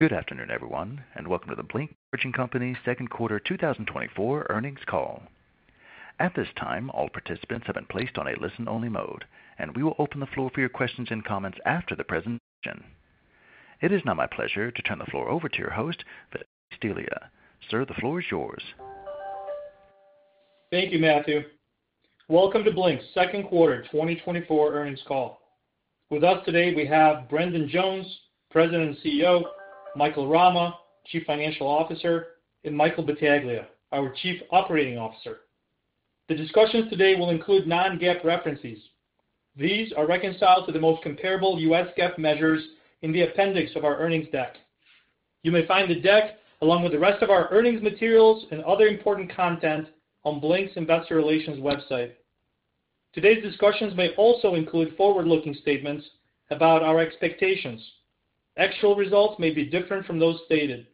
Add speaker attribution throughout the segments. Speaker 1: Good afternoon, everyone, and welcome to the Blink Charging Co.'s second quarter 2024 earnings call. At this time, all participants have been placed on a listen-only mode, and we will open the floor for your questions and comments after the presentation. It is now my pleasure to turn the floor over to your host, Vitalie Stelea. Sir, the floor is yours.
Speaker 2: Thank you, Matthew. Welcome to Blink's second quarter 2024 earnings call. With us today we have Brendan Jones, President and CEO, Michael Rama, Chief Financial Officer, and Michael Battaglia, our Chief Operating Officer. The discussions today will include non-GAAP references. These are reconciled to the most comparable U.S. GAAP measures in the appendix of our earnings deck. You may find the deck, along with the rest of our earnings materials and other important content on Blink's Investor Relations website. Today's discussions may also include forward-looking statements about our expectations. Actual results may be different from those stated.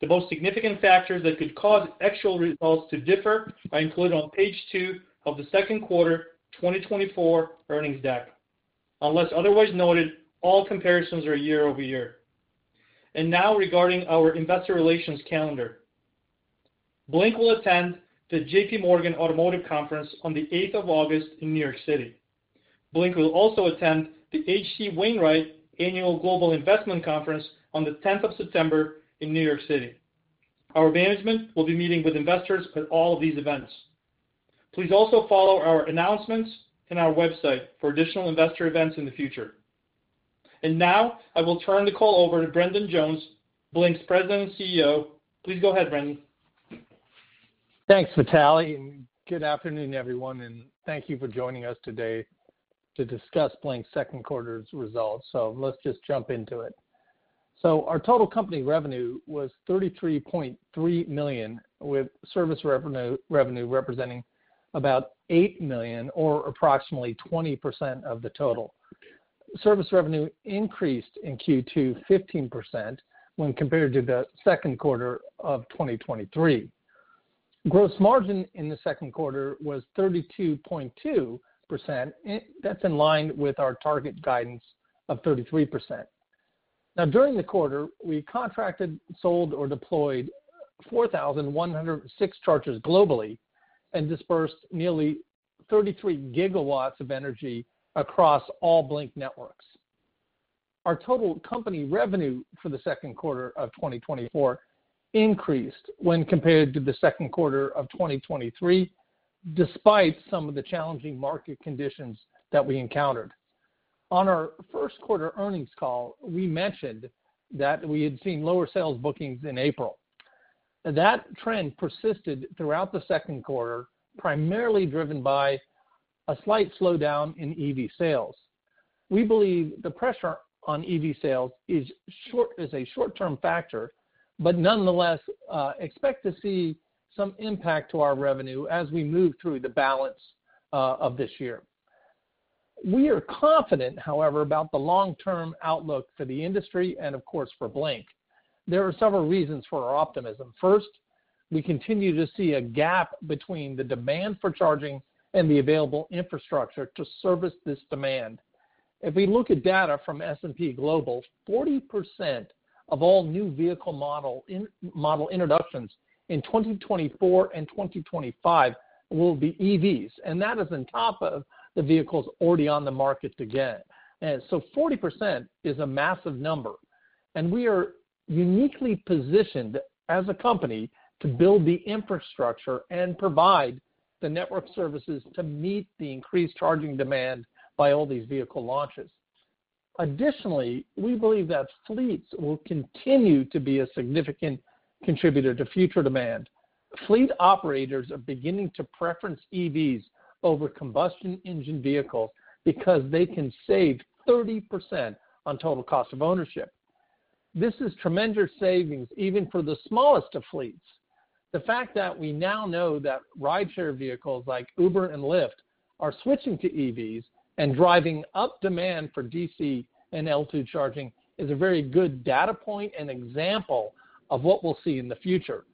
Speaker 2: The most significant factors that could cause actual results to differ are included on page 2 of the second quarter 2024 earnings deck. Unless otherwise noted, all comparisons are year-over-year. Now, regarding our investor relations calendar. Blink will attend the J.P. Morgan Automotive Conference on the eighth of August in New York City. Blink will also attend the H.C. Wainwright Annual Global Investment Conference on the tenth of September in New York City. Our management will be meeting with investors at all of these events. Please also follow our announcements in our website for additional investor events in the future. And now I will turn the call over to Brendan Jones, Blink's President and CEO. Please go ahead, Brendan.
Speaker 3: Thanks, Vitalie, and good afternoon, everyone, and thank you for joining us today to discuss Blink's second quarter's results. So let's just jump into it. So our total company revenue was $33.3 million, with service revenue representing about $8 million or approximately 20% of the total. Service revenue increased in Q2 15% when compared to the second quarter of 2023. Gross margin in the second quarter was 32.2%. That's in line with our target guidance of 33%. Now, during the quarter, we contracted, sold, or deployed 4,106 chargers globally and dispersed nearly 33 GW of energy across all Blink networks. Our total company revenue for the second quarter of 2024 increased when compared to the second quarter of 2023, despite some of the challenging market conditions that we encountered. On our first quarter earnings call, we mentioned that we had seen lower sales bookings in April. That trend persisted throughout the second quarter, primarily driven by a slight slowdown in EV sales. We believe the pressure on EV sales is a short-term factor, but nonetheless, expect to see some impact to our revenue as we move through the balance of this year. We are confident, however, about the long-term outlook for the industry and of course, for Blink. There are several reasons for our optimism. First, we continue to see a gap between the demand for charging and the available infrastructure to service this demand. If we look at data from S&P Global, 40% of all new vehicle model introductions in 2024 and 2025 will be EVs, and that is on top of the vehicles already on the market again. And so 40% is a massive number, and we are uniquely positioned as a company to build the infrastructure and provide the network services to meet the increased charging demand by all these vehicle launches. Additionally, we believe that fleets will continue to be a significant contributor to future demand. Fleet operators are beginning to preference EVs over combustion engine vehicles because they can save 30% on total cost of ownership. This is tremendous savings even for the smallest of fleets. The fact that we now know that rideshare vehicles like Uber and Lyft are switching to EVs and driving up demand for DC and L2 charging is a very good data point and example of what we'll see in the future.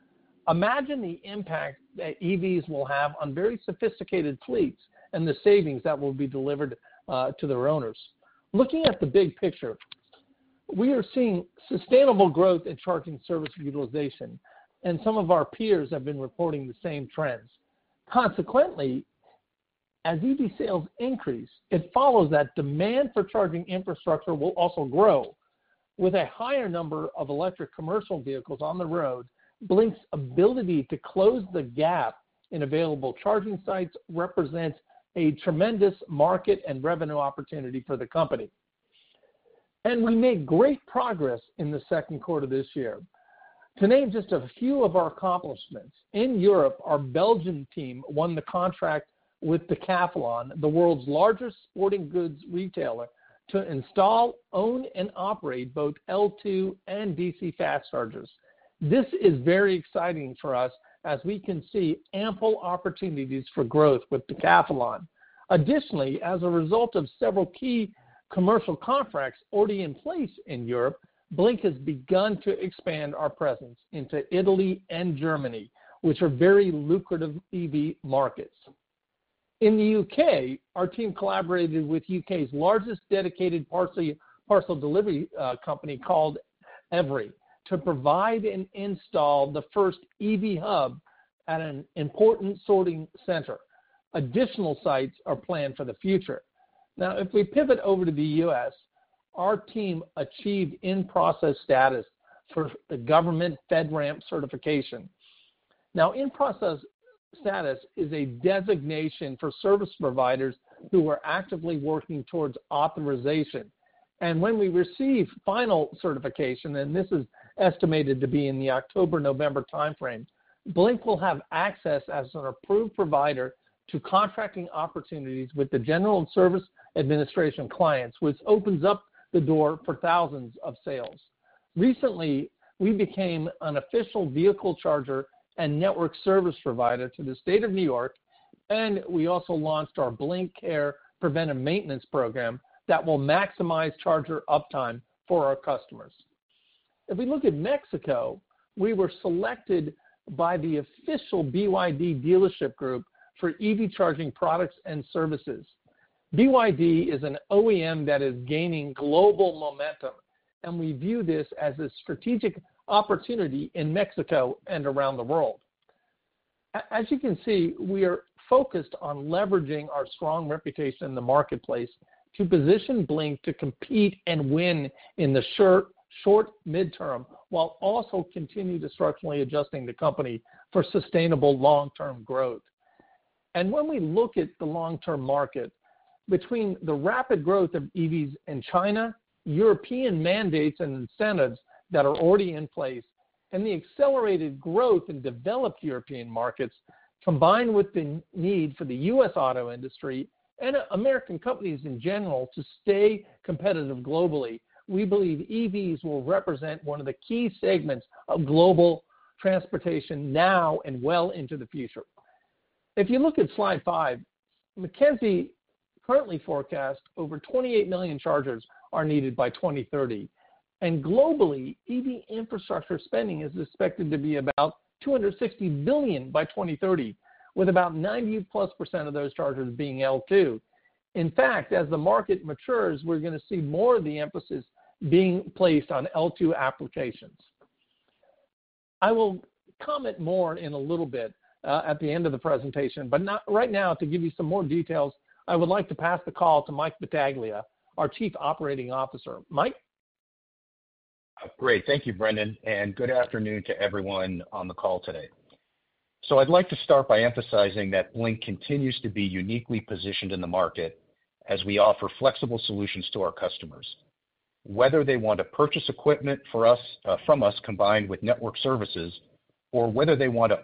Speaker 3: Imagine the impact that EVs will have on very sophisticated fleets and the savings that will be delivered to their owners. Looking at the big picture, we are seeing sustainable growth in charging service utilization, and some of our peers have been reporting the same trends. Consequently, as EV sales increase, it follows that demand for charging infrastructure will also grow. With a higher number of electric commercial vehicles on the road, Blink's ability to close the gap in available charging sites represents a tremendous market and revenue opportunity for the company. We made great progress in the second quarter this year. To name just a few of our accomplishments, in Europe, our Belgian team won the contract with Decathlon, the world's largest sporting goods retailer, to install, own, and operate both L2 and DC fast chargers. This is very exciting for us as we can see ample opportunities for growth with Decathlon. Additionally, as a result of several key commercial contracts already in place in Europe, Blink has begun to expand our presence into Italy and Germany, which are very lucrative EV markets. In the U.K., our team collaborated with U.K.'s largest dedicated parcel delivery company, called Evri, to provide and install the first EV hub at an important sorting center. Additional sites are planned for the future. Now, if we pivot over to the U.S., our team achieved in-process status for the government FedRAMP certification. Now, in-process status is a designation for service providers who are actively working towards authorization. And when we receive final certification, and this is estimated to be in the October-November timeframe, Blink will have access as an approved provider to contracting opportunities with the General Services Administration clients, which opens up the door for thousands of sales. Recently, we became an official vehicle charger and network service provider to the state of New York, and we also launched our Blink Care preventive maintenance program that will maximize charger uptime for our customers. If we look at Mexico, we were selected by the official BYD dealership group for EV charging products and services. BYD is an OEM that is gaining global momentum, and we view this as a strategic opportunity in Mexico and around the world. As you can see, we are focused on leveraging our strong reputation in the marketplace to position Blink to compete and win in the short, short mid-term, while also continue structurally adjusting the company for sustainable long-term growth. When we look at the long-term market, between the rapid growth of EVs in China, European mandates and incentives that are already in place, and the accelerated growth in developed European markets, combined with the need for the U.S. auto industry and American companies in general to stay competitive globally, we believe EVs will represent one of the key segments of global transportation now and well into the future. If you look at slide 5, McKinsey currently forecasts over 28 million chargers are needed by 2030, and globally, EV infrastructure spending is expected to be about $260 billion by 2030, with about 90+% of those chargers being L2. In fact, as the market matures, we're gonna see more of the emphasis being placed on L2 applications. I will comment more in a little bit, at the end of the presentation, but not right now, to give you some more details, I would like to pass the call to Mike Battaglia, our Chief Operating Officer. Mike?
Speaker 4: Great. Thank you, Brendan, and good afternoon to everyone on the call today. So I'd like to start by emphasizing that Blink continues to be uniquely positioned in the market as we offer flexible solutions to our customers. Whether they want to purchase equipment for us, from us, combined with network services, or whether they want us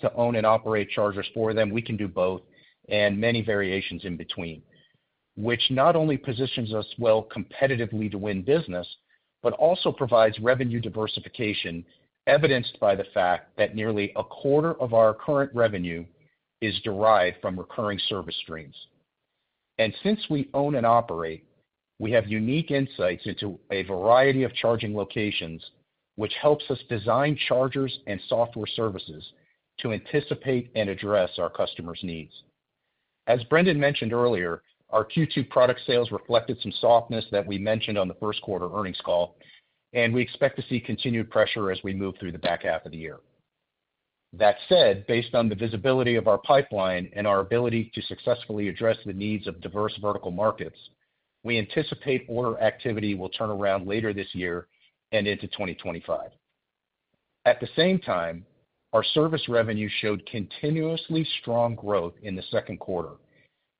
Speaker 4: to own and operate chargers for them, we can do both and many variations in between, which not only positions us well competitively to win business, but also provides revenue diversification, evidenced by the fact that nearly a quarter of our current revenue is derived from recurring service streams. And since we own and operate, we have unique insights into a variety of charging locations, which helps us design chargers and software services to anticipate and address our customers' needs. As Brendan mentioned earlier, our Q2 product sales reflected some softness that we mentioned on the first quarter earnings call, and we expect to see continued pressure as we move through the back half of the year. That said, based on the visibility of our pipeline and our ability to successfully address the needs of diverse vertical markets, we anticipate order activity will turn around later this year and into 2025. At the same time, our service revenue showed continuously strong growth in the second quarter,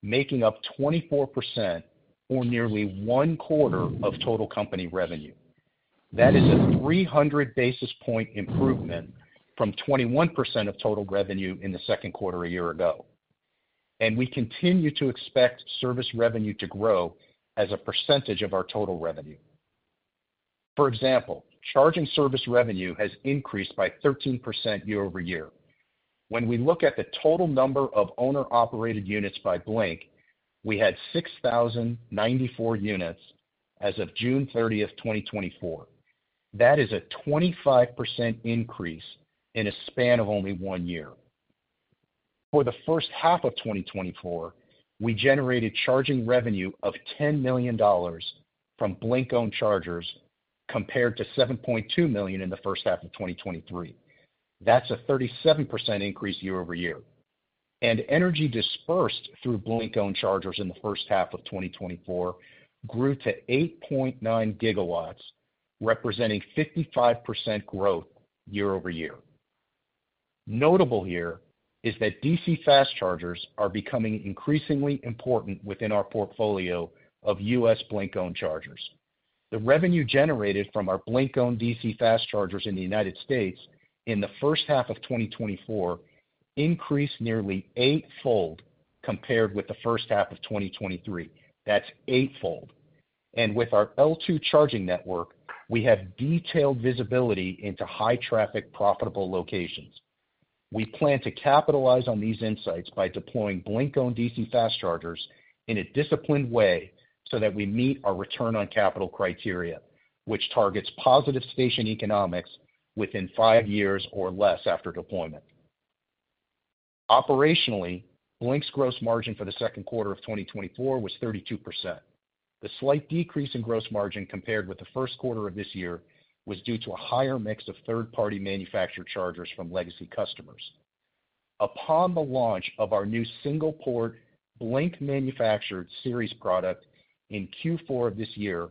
Speaker 4: making up 24% or nearly one quarter of total company revenue. That is a 300 basis point improvement from 21% of total revenue in the second quarter a year ago. We continue to expect service revenue to grow as a percentage of our total revenue. For example, charging service revenue has increased by 13% year-over-year. When we look at the total number of owner-operated units by Blink, we had 6,094 units as of June 30, 2024. That is a 25% increase in a span of only one year. For the first half of 2024, we generated charging revenue of $10 million from Blink-owned chargers, compared to $7.2 million in the first half of 2023. That's a 37% increase year-over-year. Energy dispersed through Blink-owned chargers in the first half of 2024 grew to 8.9 GW, representing 55% growth year-over-year. Notable here is that DC fast chargers are becoming increasingly important within our portfolio of U.S. Blink-owned chargers. The revenue generated from our Blink-owned DC fast chargers in the United States in the first half of 2024 increased nearly eightfold compared with the first half of 2023. That's eightfold. And with our L2 charging network, we have detailed visibility into high-traffic, profitable locations. We plan to capitalize on these insights by deploying Blink-owned DC fast chargers in a disciplined way so that we meet our return on capital criteria, which targets positive station economics within five years or less after deployment. Operationally, Blink's gross margin for the second quarter of 2024 was 32%. The slight decrease in gross margin compared with the first quarter of this year was due to a higher mix of third-party manufactured chargers from legacy customers. Upon the launch of our new single-port Blink manufactured series product in Q4 of this year,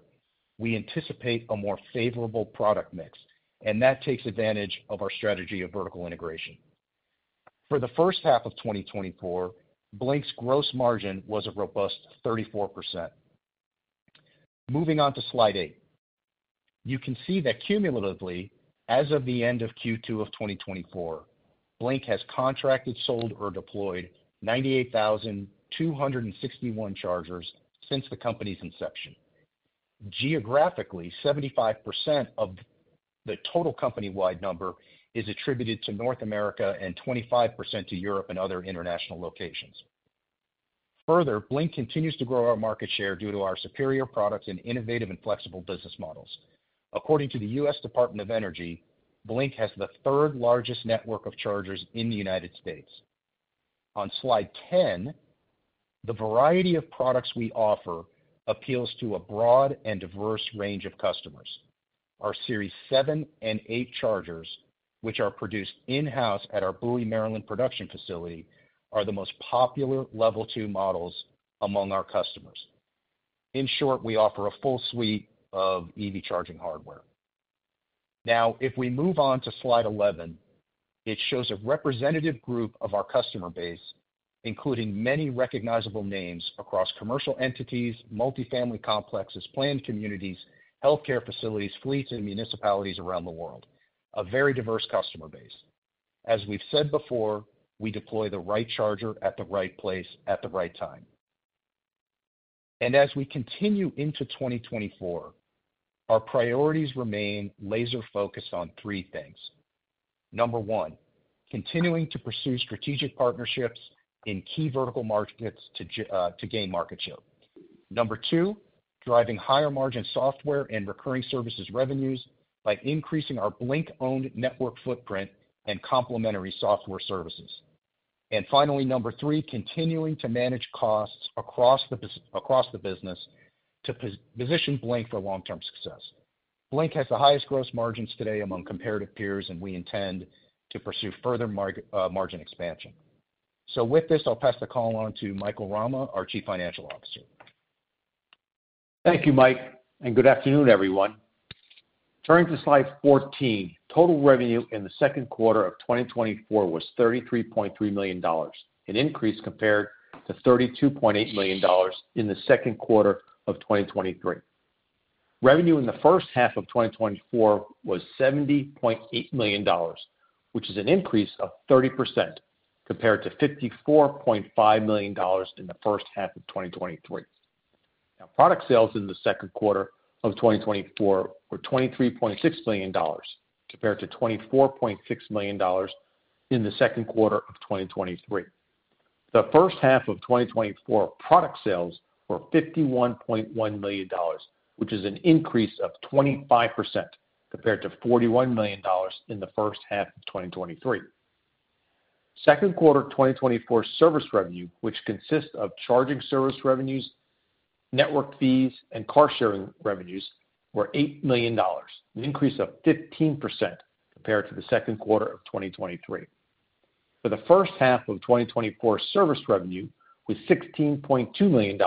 Speaker 4: we anticipate a more favorable product mix, and that takes advantage of our strategy of vertical integration. For the first half of 2024, Blink's gross margin was a robust 34%. Moving on to Slide 8. You can see that cumulatively, as of the end of Q2 of 2024, Blink has contracted, sold, or deployed 98,261 chargers since the company's inception. Geographically, 75% of the total company-wide number is attributed to North America and 25% to Europe and other international locations. Further, Blink continues to grow our market share due to our superior products and innovative and flexible business models. According to the U.S. Department of Energy, Blink has the third-largest network of chargers in the United States. On Slide 10, the variety of products we offer appeals to a broad and diverse range of customers. Our Series 7 and 8 chargers, which are produced in-house at our Bowie, Maryland, production facility, are the most popular Level 2 models among our customers. In short, we offer a full suite of EV charging hardware. Now, if we move on to Slide 11, it shows a representative group of our customer base, including many recognizable names across commercial entities, multifamily complexes, planned communities, healthcare facilities, fleets, and municipalities around the world. A very diverse customer base. As we've said before, we deploy the right charger at the right place, at the right time. And as we continue into 2024, our priorities remain laser-focused on three things. Number 1, continuing to pursue strategic partnerships in key vertical markets to gain market share. Number two, driving higher-margin software and recurring services revenues by increasing our Blink-owned network footprint and complementary software services. And finally, number three, continuing to manage costs across the business to position Blink for long-term success. Blink has the highest gross margins today among comparative peers, and we intend to pursue further margin expansion. So with this, I'll pass the call on to Michael Rama, our Chief Financial Officer.
Speaker 5: Thank you, Mike, and good afternoon, everyone. Turning to Slide 14, total revenue in the second quarter of 2024 was $33.3 million, an increase compared to $32.8 million in the second quarter of 2023. Revenue in the first half of 2024 was $70.8 million, which is an increase of 30% compared to $54.5 million in the first half of 2023. Now, product sales in the second quarter of 2024 were $23.6 million, compared to $24.6 million in the second quarter of 2023. The first half of 2024, product sales were $51.1 million, which is an increase of 25%, compared to $41 million in the first half of 2023. Second quarter 2024 service revenue, which consists of charging service revenues, network fees, and car-sharing revenues, was $8 million, an increase of 15% compared to the second quarter of 2023. For the first half of 2024, service revenue was $16.2 million,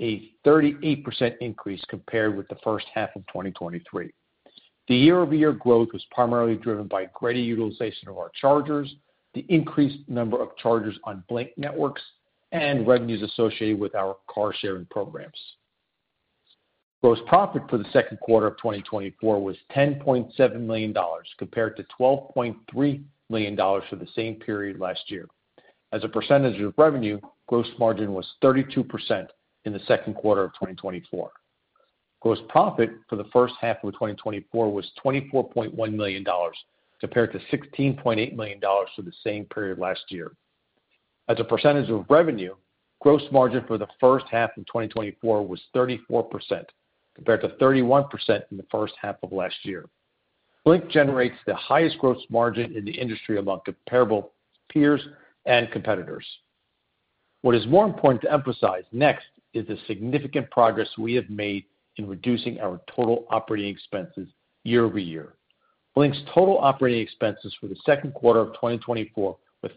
Speaker 5: a 38% increase compared with the first half of 2023. The year-over-year growth was primarily driven by greater utilization of our chargers, the increased number of chargers on Blink networks, and revenues associated with our car-sharing programs. Gross profit for the second quarter of 2024 was $10.7 million, compared to $12.3 million for the same period last year. As a percentage of revenue, gross margin was 32% in the second quarter of 2024. Gross profit for the first half of 2024 was $24.1 million, compared to $16.8 million for the same period last year. As a percentage of revenue, gross margin for the first half of 2024 was 34%, compared to 31% in the first half of last year. Blink generates the highest gross margin in the industry among comparable peers and competitors. What is more important to emphasize next is the significant progress we have made in reducing our total operating expenses year over year. Blink's total operating expenses for the second quarter of 2024 were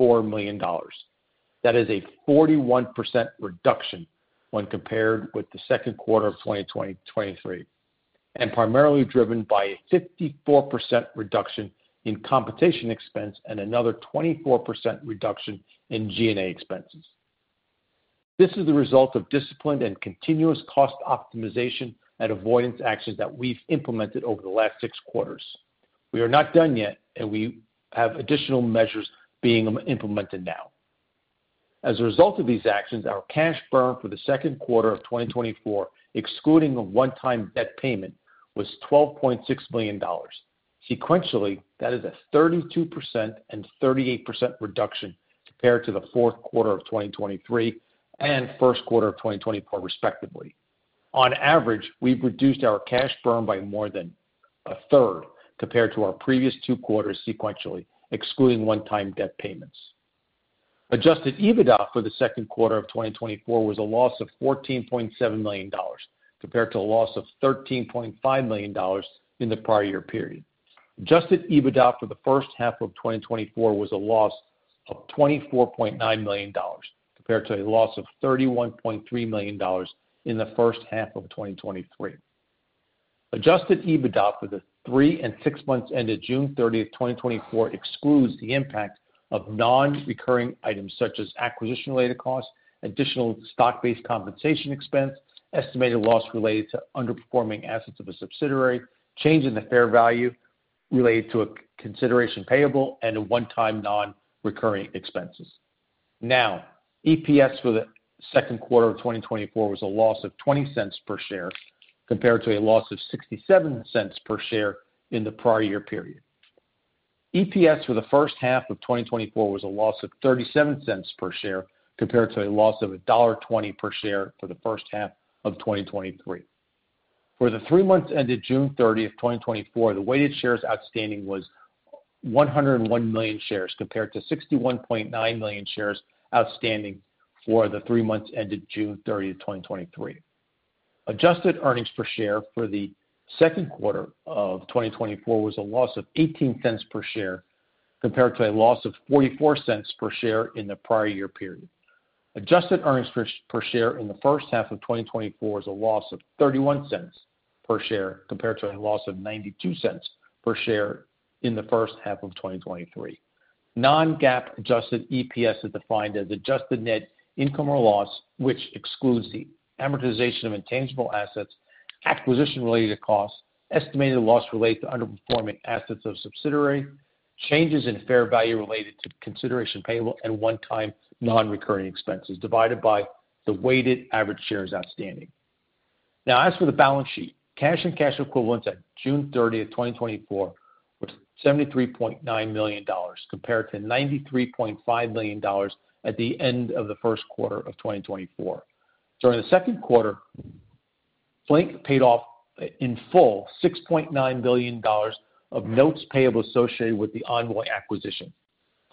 Speaker 5: $31.4 million. That is a 41% reduction when compared with the second quarter of 2023, and primarily driven by a 54% reduction in compensation expense and another 24% reduction in G&A expenses. This is the result of disciplined and continuous cost optimization and avoidance actions that we've implemented over the last 6 quarters. We are not done yet, and we have additional measures being implemented now. As a result of these actions, our cash burn for the second quarter of 2024, excluding a one-time debt payment, was $12.6 million. Sequentially, that is a 32% and 38% reduction compared to the fourth quarter of 2023 and first quarter of 2024, respectively. On average, we've reduced our cash burn by more than a third compared to our previous two quarters sequentially, excluding one-time debt payments. Adjusted EBITDA for the second quarter of 2024 was a loss of $14.7 million, compared to a loss of $13.5 million in the prior year period. Adjusted EBITDA for the first half of 2024 was a loss of $24.9 million, compared to a loss of $31.3 million in the first half of 2023. Adjusted EBITDA for the three and six months ended June 30, 2024, excludes the impact of non-recurring items such as acquisition-related costs, additional stock-based compensation expense, estimated loss related to underperforming assets of a subsidiary, change in the fair value related to a consideration payable, and a one-time non-recurring expenses. Now, EPS for the second quarter of 2024 was a loss of $0.20 per share, compared to a loss of $0.67 per share in the prior year period. EPS for the first half of 2024 was a loss of $0.37 per share, compared to a loss of $1.20 per share for the first half of 2023. For the three months ended June 30, 2024, the weighted shares outstanding was 101 million shares, compared to 61.9 million shares outstanding for the three months ended June 30, 2023. Adjusted earnings per share for the second quarter of 2024 was a loss of $0.18 per share, compared to a loss of $0.44 per share in the prior year period. Adjusted earnings per share in the first half of 2024 was a loss of $0.31 per share, compared to a loss of $0.92 per share in the first half of 2023. Non-GAAP adjusted EPS is defined as adjusted net income or loss, which excludes the amortization of intangible assets, acquisition-related costs, estimated loss related to underperforming assets of subsidiary, changes in fair value related to consideration payable, and one-time non-recurring expenses divided by the weighted average shares outstanding. Now, as for the balance sheet, cash and cash equivalents at June 30, 2024, was $73.9 million, compared to $93.5 million at the end of the first quarter of 2024. During the second quarter, Blink paid off in full $6.9 million of notes payable associated with the Envoy acquisition.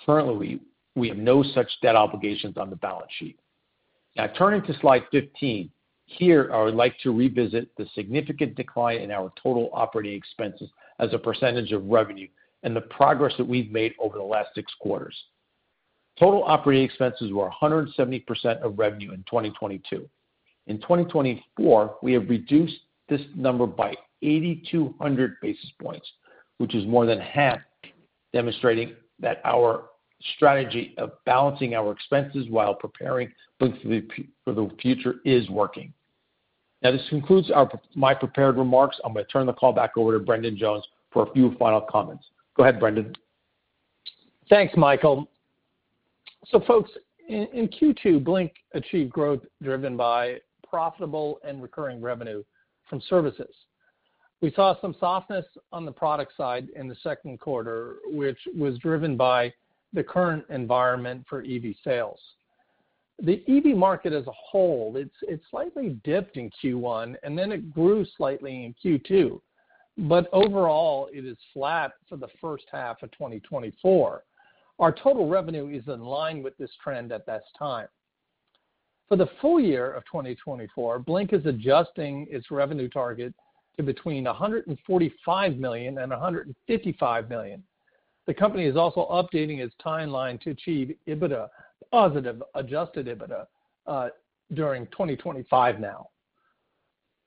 Speaker 5: Currently, we have no such debt obligations on the balance sheet. Now, turning to Slide 15, here, I would like to revisit the significant decline in our total operating expenses as a percentage of revenue and the progress that we've made over the last six quarters. Total operating expenses were 170% of revenue in 2022. In 2024, we have reduced this number by 8,200 basis points, which is more than half, demonstrating that our strategy of balancing our expenses while preparing for the future is working. Now, this concludes my prepared remarks. I'm going to turn the call back over to Brendan Jones for a few final comments. Go ahead, Brendan.
Speaker 3: Thanks, Michael. So folks, in Q2, Blink achieved growth driven by profitable and recurring revenue from services. We saw some softness on the product side in the second quarter, which was driven by the current environment for EV sales. The EV market as a whole, it slightly dipped in Q1, and then it grew slightly in Q2, but overall, it is flat for the first half of 2024. Our total revenue is in line with this trend at this time. For the full year of 2024, Blink is adjusting its revenue target to between $145 million and $155 million. The company is also updating its timeline to achieve positive adjusted EBITDA during 2025 now.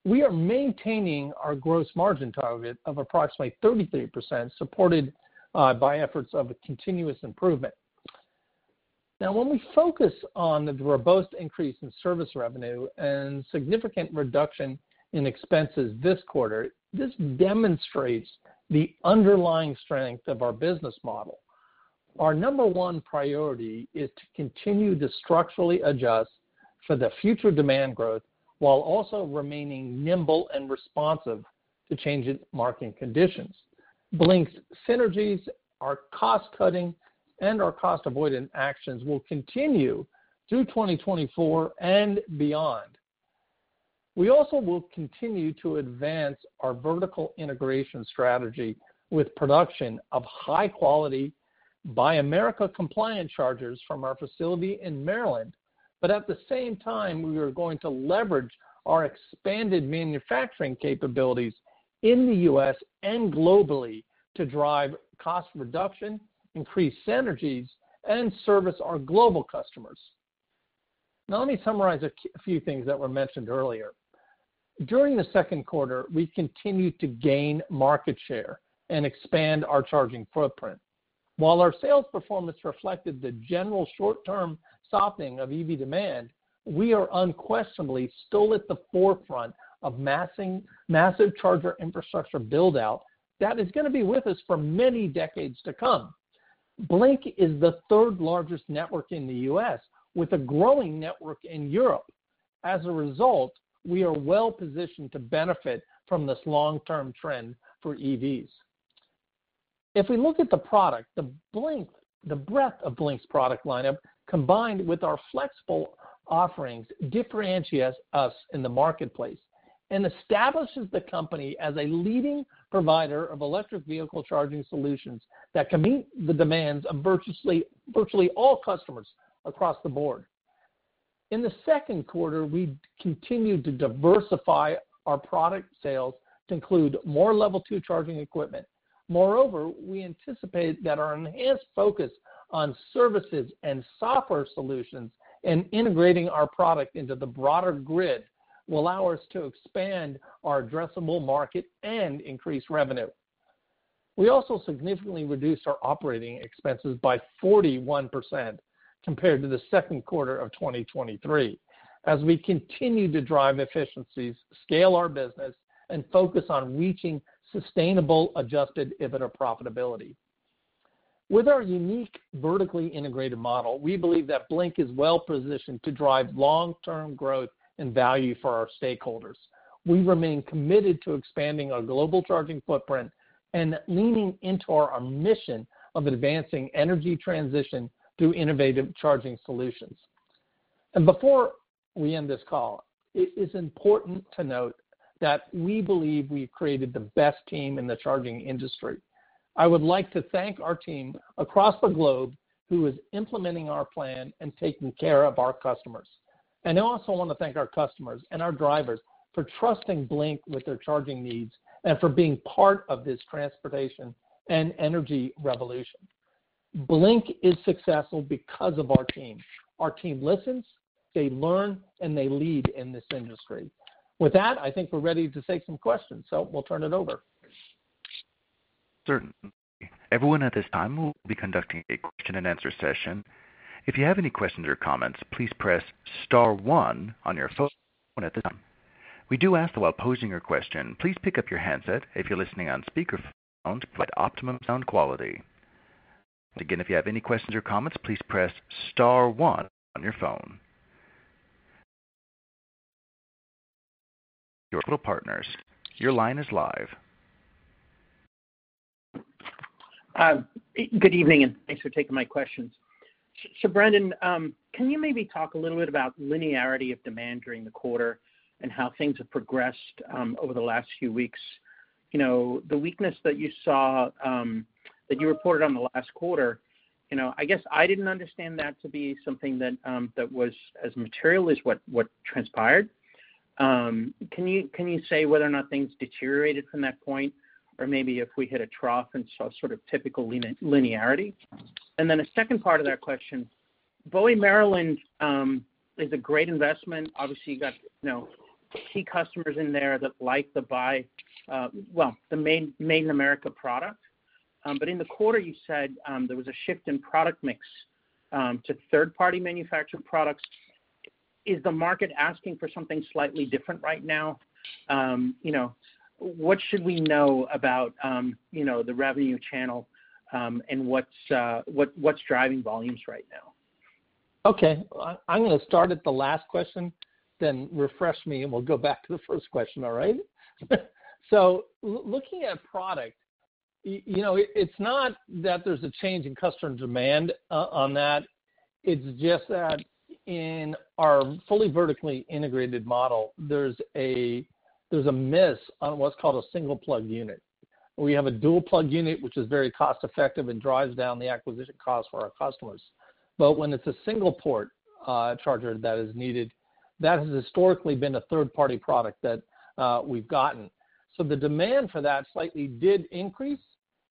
Speaker 3: We are maintaining our gross margin target of approximately 33%, supported by efforts of a continuous improvement. Now, when we focus on the robust increase in service revenue and significant reduction in expenses this quarter, this demonstrates the underlying strength of our business model. Our number one priority is to continue to structurally adjust for the future demand growth while also remaining nimble and responsive to changing market conditions. Blink's synergies, our cost-cutting, and our cost-avoidant actions will continue through 2024 and beyond. We also will continue to advance our vertical integration strategy with production of high-quality Buy America compliant chargers from our facility in Maryland, but at the same time, we are going to leverage our expanded manufacturing capabilities in the U.S. and globally to drive cost reduction, increase synergies, and service our global customers. Now, let me summarize a few things that were mentioned earlier. During the second quarter, we continued to gain market share and expand our charging footprint. While our sales performance reflected the general short-term softening of EV demand, we are unquestionably still at the forefront of massive charger infrastructure build-out that is gonna be with us for many decades to come. Blink is the third largest network in the U.S., with a growing network in Europe. As a result, we are well positioned to benefit from this long-term trend for EVs. If we look at the product, the breadth of Blink's product lineup, combined with our flexible offerings, differentiates us in the marketplace and establishes the company as a leading provider of electric vehicle charging solutions that can meet the demands of virtually, virtually all customers across the board. In the second quarter, we continued to diversify our product sales to include more Level 2 charging equipment. Moreover, we anticipate that our enhanced focus on services and software solutions and integrating our product into the broader grid will allow us to expand our addressable market and increase revenue. We also significantly reduced our operating expenses by 41% compared to the second quarter of 2023. As we continue to drive efficiencies, scale our business, and focus on reaching sustainable Adjusted EBITDA profitability. With our unique, vertically integrated model, we believe that Blink is well positioned to drive long-term growth and value for our stakeholders. We remain committed to expanding our global charging footprint and leaning into our mission of advancing energy transition through innovative charging solutions. Before we end this call, it is important to note that we believe we've created the best team in the charging industry. I would like to thank our team across the globe who is implementing our plan and taking care of our customers. I also want to thank our customers and our drivers for trusting Blink with their charging needs and for being part of this transportation and energy revolution. Blink is successful because of our team. Our team listens, they learn, and they lead in this industry. With that, I think we're ready to take some questions, so we'll turn it over.
Speaker 1: Certainly. Everyone at this time will be conducting a question-and-answer session. If you have any questions or comments, please press star one on your phone at this time. We do ask that while posing your question, please pick up your handset if you're listening on speakerphone for optimum sound quality. Again, if you have any questions or comments, please press star one on your phone. Roth Capital Partners, your line is live.
Speaker 6: Good evening, and thanks for taking my questions. So Brendan, can you maybe talk a little bit about linearity of demand during the quarter and how things have progressed over the last few weeks? You know, the weakness that you saw that you reported on the last quarter, you know, I guess I didn't understand that to be something that that was as material as what transpired. Can you say whether or not things deteriorated from that point, or maybe if we hit a trough and saw sort of typical linearity? And then the second part of that question, Bowie, Maryland, is a great investment. Obviously, you got, you know, key customers in there that like to buy well, the made in America product. But in the quarter, you said, there was a shift in product mix to third-party manufactured products. Is the market asking for something slightly different right now? You know, what should we know about, you know, the revenue channel, and what's driving volumes right now?
Speaker 3: Okay, I'm gonna start at the last question, then refresh me, and we'll go back to the first question, all right? So looking at product, you know, it's not that there's a change in customer demand on that, it's just that in our fully vertically integrated model, there's a miss on what's called a single-plug unit. We have a dual-plug unit, which is very cost-effective and drives down the acquisition cost for our customers. But when it's a single-port charger that is needed, that has historically been a third-party product that we've gotten. So the demand for that slightly did increase,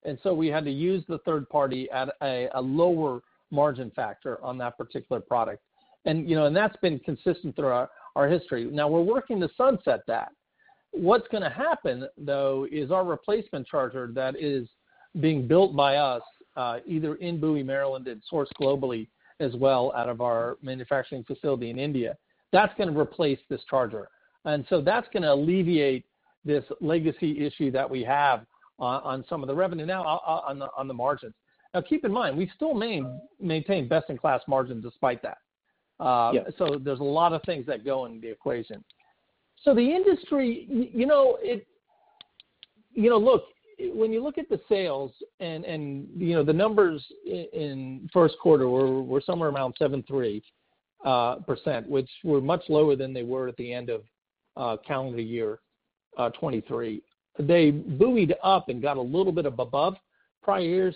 Speaker 3: and so we had to use the third party at a lower margin factor on that particular product. And, you know, that's been consistent throughout our history. Now, we're working to sunset that. What's gonna happen, though, is our replacement charger that is being built by us either in Bowie, Maryland, and sourced globally as well out of our manufacturing facility in India. That's gonna replace this charger. So that's gonna alleviate this legacy issue that we have on some of the revenue now on the margins. Now, keep in mind, we still maintain best-in-class margins despite that.
Speaker 6: Yeah.
Speaker 3: So there's a lot of things that go in the equation. So the industry, you know, it. You know, look, when you look at the sales and, you know, the numbers in first quarter were somewhere around 7.3%, which were much lower than they were at the end of calendar year 2023. They bounced up and got a little bit above prior years,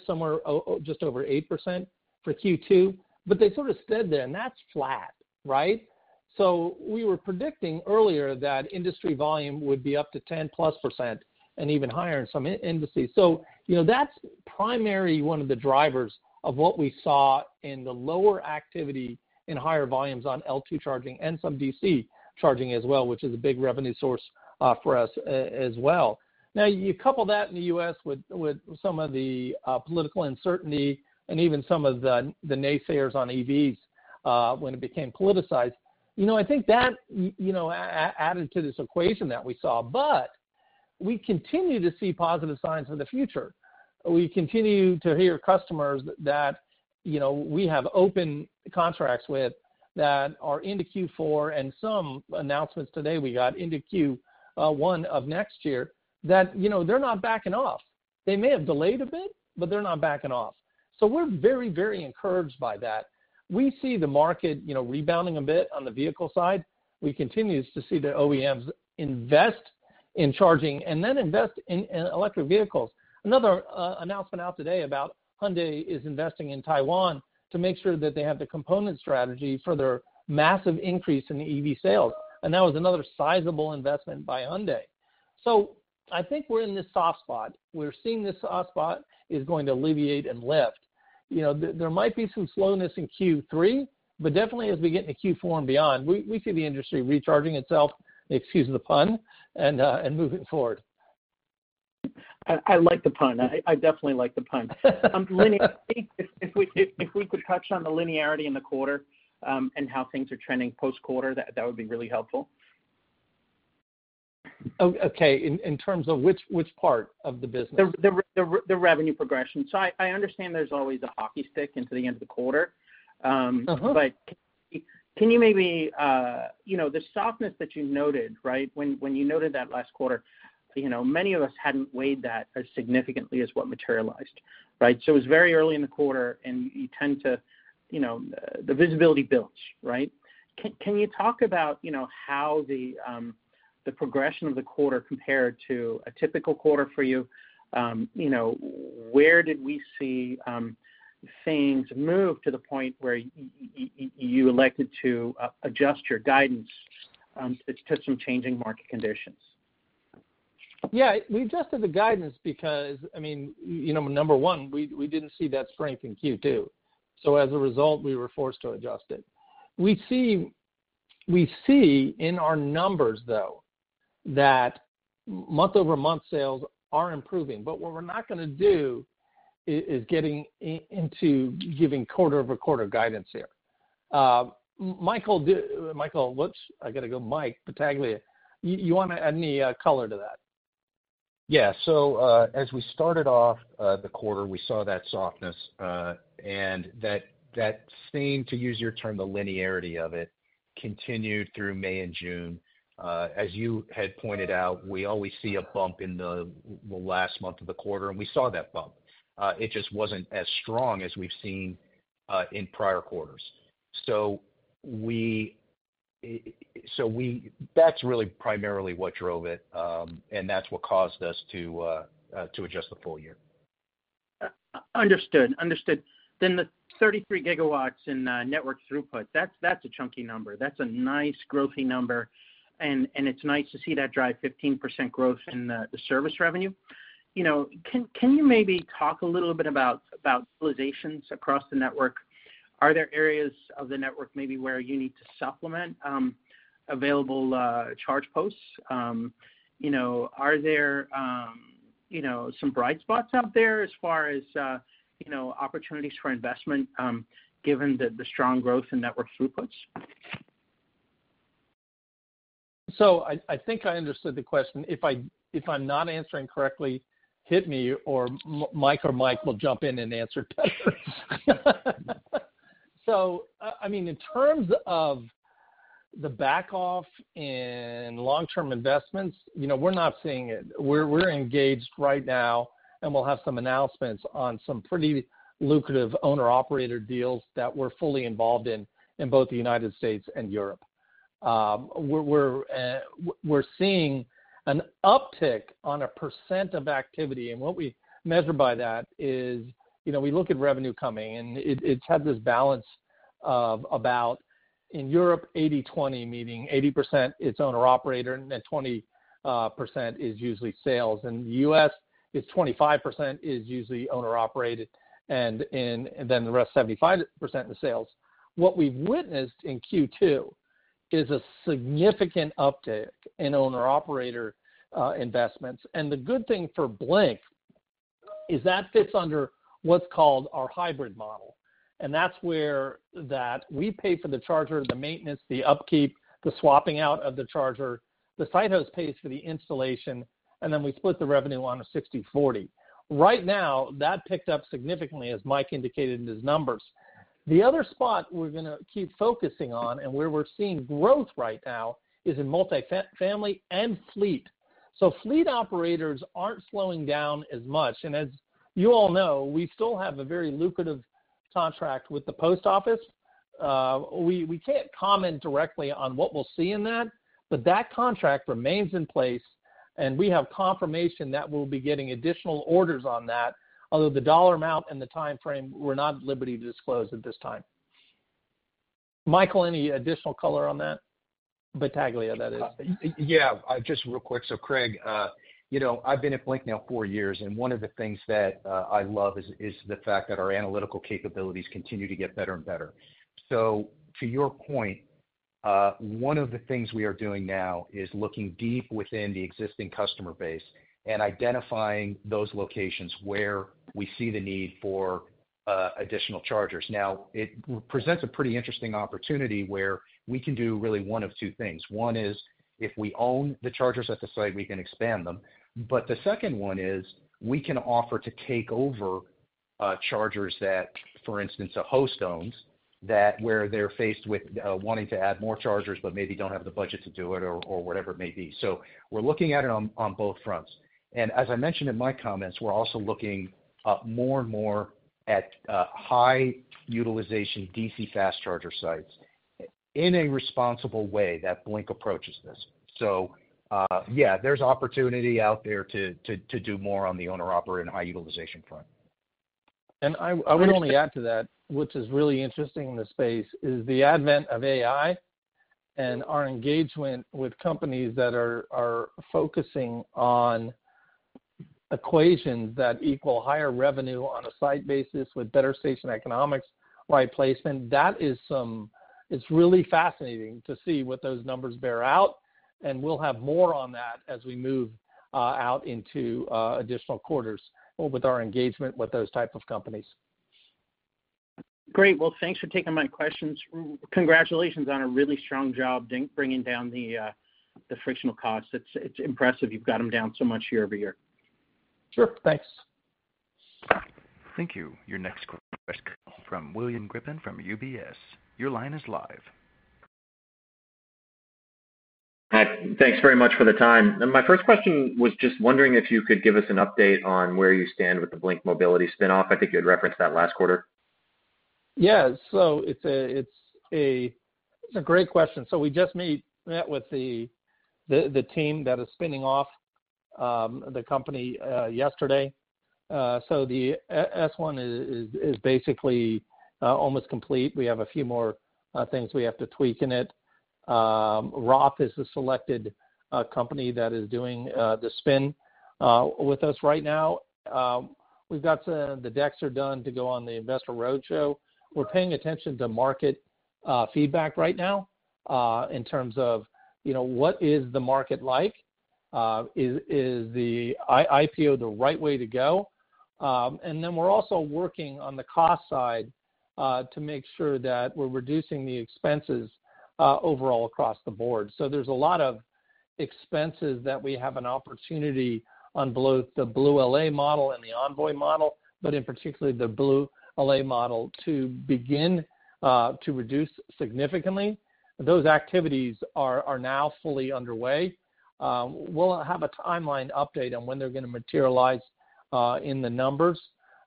Speaker 3: just over 8% for Q2, but they sort of stayed there, and that's flat, right? So we were predicting earlier that industry volume would be up to 10%+ and even higher in some industries. So you know, that's primarily one of the drivers of what we saw in the lower activity and higher volumes on L2 charging and some DC charging as well, which is a big revenue source for us as well. Now, you couple that in the U.S. with some of the political uncertainty and even some of the naysayers on EVs when it became politicized, you know, I think that you know added to this equation that we saw. But we continue to see positive signs for the future. We continue to hear customers that, you know, we have open contracts with, that are into Q4, and some announcements today we got into Q1 of next year, that, you know, they're not backing off. They may have delayed a bit, but they're not backing off. So we're very, very encouraged by that. We see the market, you know, rebounding a bit on the vehicle side. We continue to see the OEMs invest in charging and then invest in, in electric vehicles. Another announcement out today about Hyundai is investing in Thailand to make sure that they have the component strategy for their massive increase in EV sales, and that was another sizable investment by Hyundai. So I think we're in this soft spot. We're seeing this soft spot is going to alleviate and lift. You know, there, there might be some slowness in Q3, but definitely as we get into Q4 and beyond, we, we see the industry recharging itself, excuse the pun, and, and moving forward.
Speaker 6: I, I like the pun. I, I definitely like the pun. If, if we, if, if we could touch on the linearity in the quarter, and how things are trending post-quarter, that, that would be really helpful.
Speaker 3: Oh, okay. In terms of which part of the business?
Speaker 6: The revenue progression. So I understand there's always a hockey stick into the end of the quarter.
Speaker 3: Mm-hmm
Speaker 6: But can you maybe, you know, the softness that you noted, right? When you noted that last quarter, you know, many of us hadn't weighed that as significantly as what materialized, right? So it was very early in the quarter, and you tend to, you know, the visibility builds, right? Can you talk about, you know, how the progression of the quarter compared to a typical quarter for you? You know, where did we see things move to the point where you elected to adjust your guidance to some changing market conditions?
Speaker 3: Yeah, we adjusted the guidance because, I mean, you know, number one, we didn't see that strength in Q2, so as a result, we were forced to adjust it. We see in our numbers, though, that month-over-month sales are improving, but what we're not gonna do is get into giving quarter-over-quarter guidance here. Michael, whoops, I gotta go, Mike Battaglia, you wanna add any color to that?
Speaker 4: Yeah. So, as we started off the quarter, we saw that softness, and that seemed, to use your term, the linearity of it, continued through May and June. As you had pointed out, we always see a bump in the, well, last month of the quarter, and we saw that bump. It just wasn't as strong as we've seen in prior quarters. So that's really primarily what drove it, and that's what caused us to adjust the full year.
Speaker 6: Understood. Understood. Then the 33 GW in network throughput, that's a chunky number. That's a nice, growthy number, and it's nice to see that drive 15% growth in the service revenue. You know, can you maybe talk a little bit about utilizations across the network? Are there areas of the network maybe where you need to supplement available charge posts? You know, are there you know, some bright spots out there as far as you know, opportunities for investment, given the strong growth in network throughputs?
Speaker 3: So I think I understood the question. If I'm not answering correctly, hit me, or Mike or Mike will jump in and answer better. So, I mean, in terms of the back off in long-term investments, you know, we're not seeing it. We're engaged right now, and we'll have some announcements on some pretty lucrative owner-operator deals that we're fully involved in, in both the United States and Europe. We're seeing an uptick on a percent of activity, and what we measure by that is, you know, we look at revenue coming, and it's had this balance of about, in Europe, 80/20, meaning 80% is owner-operator, and then 20% is usually sales. In the U.S., it's 25% is usually owner-operated, and then the rest 75% is sales. What we've witnessed in Q2 is a significant uptick in owner-operator investments, and the good thing for Blink is that fits under what's called our hybrid model, and that's where that we pay for the charger, the maintenance, the upkeep, the swapping out of the charger. The site host pays for the installation, and then we split the revenue on a 60/40. Right now, that picked up significantly, as Mike indicated in his numbers. The other spot we're gonna keep focusing on, and where we're seeing growth right now, is in multifamily and fleet. So fleet operators aren't slowing down as much, and as you all know, we still have a very lucrative contract with the Post Office. We can't comment directly on what we'll see in that, but that contract remains in place, and we have confirmation that we'll be getting additional orders on that, although the dollar amount and the timeframe, we're not at liberty to disclose at this time. Michael, any additional color on that? Battaglia, that is.
Speaker 4: Yeah, just real quick. So Craig, you know, I've been at Blink now four years, and one of the things that I love is the fact that our analytical capabilities continue to get better and better. So to your point, one of the things we are doing now is looking deep within the existing customer base and identifying those locations where we see the need for additional chargers. Now, it presents a pretty interesting opportunity where we can do really one of two things. One is, if we own the chargers at the site, we can expand them. But the second one is, we can offer to take over chargers that, for instance, a host owns, that where they're faced with wanting to add more chargers, but maybe don't have the budget to do it or whatever it may be. So we're looking at it on both fronts. And as I mentioned in my comments, we're also looking more and more at high-utilization DC fast charger sites in a responsible way that Blink approaches this. So, yeah, there's opportunity out there to do more on the owner-operator and high-utilization front.
Speaker 3: And I would only add to that, which is really interesting in the space, is the advent of AI and our engagement with companies that are focusing on equations that equal higher revenue on a site basis with better station economics by placement. That is. It's really fascinating to see what those numbers bear out, and we'll have more on that as we move out into additional quarters or with our engagement with those type of companies.
Speaker 6: Great. Well, thanks for taking my questions. Congratulations on a really strong job bringing down the, the frictional costs. It's, it's impressive you've got them down so much year-over-year.
Speaker 3: Sure. Thanks.
Speaker 1: Thank you. Your next question is from William Grippin, from UBS. Your line is live.
Speaker 7: Hi, thanks very much for the time. My first question was just wondering if you could give us an update on where you stand with the Blink Mobility spin-off. I think you had referenced that last quarter.
Speaker 3: Yeah. So it's a great question. So we just met with the team that is spinning off the company yesterday. So the S-1 is basically almost complete. We have a few more things we have to tweak in it. Roth is the selected company that is doing the spin with us right now. We've got the decks done to go on the investor roadshow. We're paying attention to market feedback right now in terms of, you know, what is the market like? Is the IPO the right way to go? And then we're also working on the cost side to make sure that we're reducing the expenses overall across the board. So there's a lot of expenses that we have an opportunity on the BlueLA model and the Envoy model, but particularly the BlueLA model, to begin, to reduce significantly. Those activities are now fully underway. We'll have a timeline update on when they're gonna materialize in the numbers.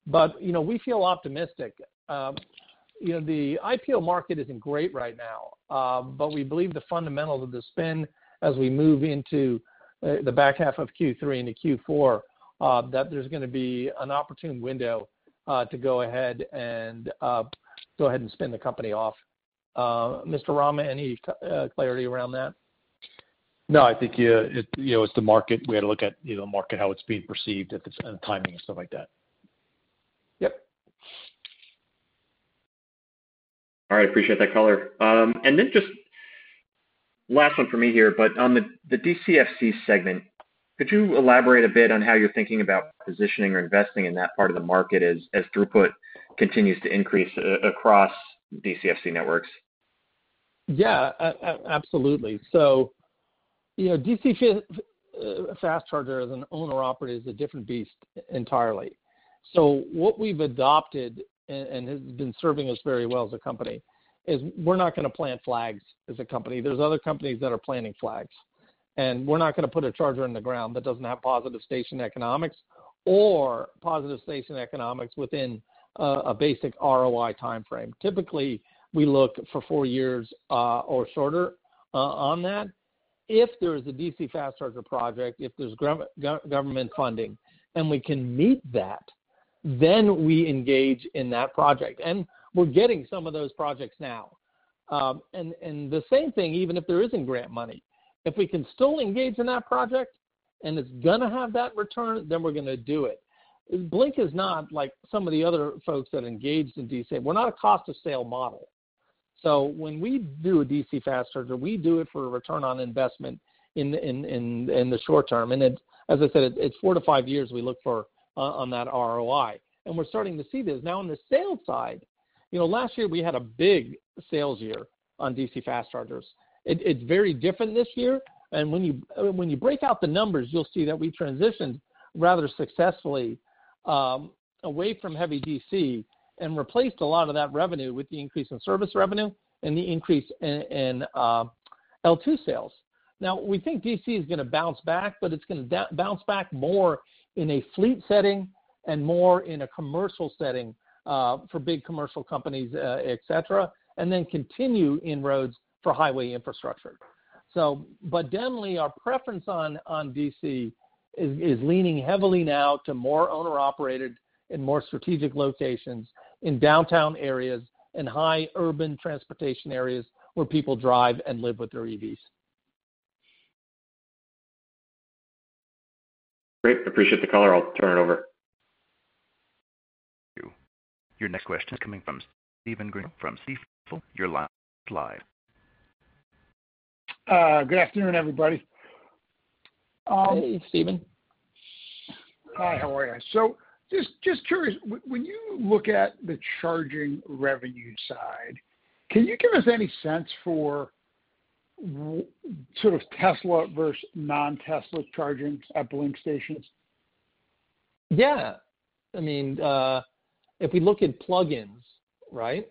Speaker 3: But, you know, we feel optimistic. You know, the IPO market isn't great right now, but we believe the fundamentals of the spin as we move into the back half of Q3 into Q4 that there's gonna be an opportune window to go ahead and go ahead and spin the company off. Mr. Rama, any clarity around that?
Speaker 5: No, I think, yeah, it, you know, it's the market. We had to look at, you know, the market, how it's being perceived at this, and the timing and stuff like that.
Speaker 3: Yep.
Speaker 7: All right. I appreciate that color. And then just last one for me here, but on the DCFC segment, could you elaborate a bit on how you're thinking about positioning or investing in that part of the market as throughput continues to increase across DCFC networks?
Speaker 3: Yeah, absolutely. So, you know, DC fast charger as an owner operator is a different beast entirely. So what we've adopted, and has been serving us very well as a company, is we're not gonna plant flags as a company. There's other companies that are planting flags. And we're not gonna put a charger in the ground that doesn't have positive station economics or positive station economics within a basic ROI timeframe. Typically, we look for four years or shorter on that. If there is a DC fast charger project, if there's government funding, and we can meet that, then we engage in that project. And we're getting some of those projects now. And the same thing, even if there isn't grant money. If we can still engage in that project, and it's gonna have that return, then we're gonna do it. Blink is not like some of the other folks that engaged in DC. We're not a cost-of-sales model. So when we do a DC fast charger, we do it for a return on investment in the short term. And it, as I said, it's four to five years we look for on that ROI, and we're starting to see this. Now, on the sales side, you know, last year we had a big sales year on DC fast chargers. It's very different this year, and when you, when you break out the numbers, you'll see that we transitioned rather successfully away from heavy DC and replaced a lot of that revenue with the increase in service revenue and the increase in L2 sales. Now, we think DC is gonna bounce back, but it's gonna bounce back more in a fleet setting and more in a commercial setting for big commercial companies, et cetera, and then continue inroads for highway infrastructure. But generally, our preference on DC is leaning heavily now to more owner-operated and more strategic locations in downtown areas and high urban transportation areas where people drive and live with their EVs.
Speaker 7: Great. Appreciate the color. I'll turn it over.
Speaker 1: Thank you. Your next question is coming from Stephen Gengaro from Stifel. Your line is live.
Speaker 8: Good afternoon, everybody.
Speaker 3: Hey, Stephen.
Speaker 8: Hi, how are you? So just curious, when you look at the charging revenue side, can you give us any sense for sort of Tesla versus non-Tesla charging at Blink stations?
Speaker 3: Yeah. I mean, if we look at plug-ins, right,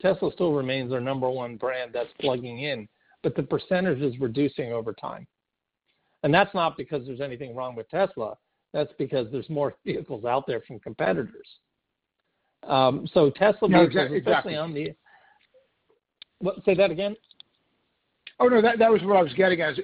Speaker 3: Tesla still remains our number one brand that's plugging in, but the percentage is reducing over time. And that's not because there's anything wrong with Tesla, that's because there's more vehicles out there from competitors. So Tesla.
Speaker 8: No, exactly, exactly.
Speaker 3: Especially on the. What, say that again?
Speaker 8: Oh, no, that was what I was getting at.